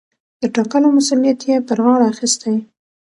د ټاکلو مسووليت يې پر غاړه اخىستى.